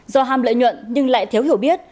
do ham lợi nhuận nhưng lại thiếu hiểu biết